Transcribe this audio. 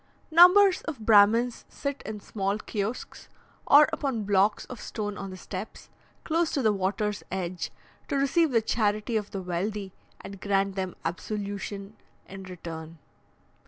Numbers of Brahmins sit in small kiosks, or upon blocks of stone on the steps, close to the water's edge, to receive the charity of the wealthy, and grant them absolution in return.